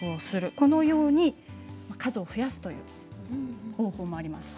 このように数を増やす方法があります。